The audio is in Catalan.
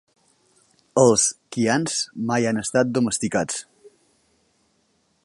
Els Kiangs mai han estat domesticats.